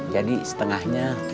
jadi setengahnya lima puluh